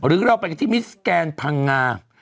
หรือเราไปกันที่มิสแกนพังงา